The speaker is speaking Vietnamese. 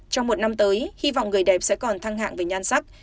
trong một năm tới hy vọng người đẹp sẽ còn thăng hạng về nhan sắc